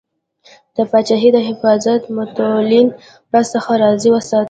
د پاچاهۍ د حفاظت متولیان راڅخه راضي وساتې.